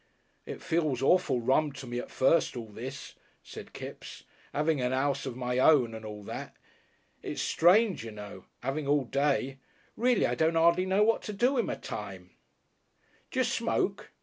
"It feels awful rum to me at first, all this," said Kipps "'Aving a 'ouse of my own and all that. It's strange, you know. 'Aving all day. Reely I don't 'ardly know what to do with my time. "D'ju smoke?"